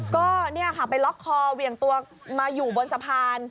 ก็เนี่ยค่ะไปล็อกคอเหวี่ยงตัวมาอยู่บนสะพาน